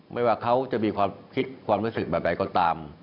ไม่ว่าเขาจะมีความคิดความรู้สึกแบบใดก็ตาม